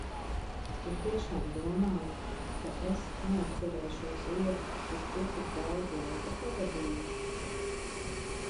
Tu tiešām domāji, ka es neatcerēšos vietu, kur tu tik daudz laika pavadīji?